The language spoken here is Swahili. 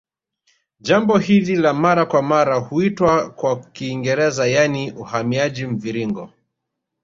Jambo hili la mara kwa mara huitwa kwa Kiingereza yaani uhamiaji mviringo